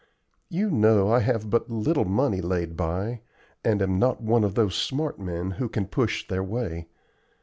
You know I have but little money laid by, and am not one of those smart men who can push their way.